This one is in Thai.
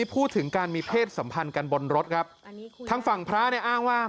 พูดถึงการมีเพศสัมพันธ์กันบนรถครับทางฝั่งพระเนี่ยอ้างว่า